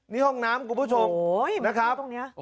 นี่ห้องน้ำคุณผู้ชมนะครับ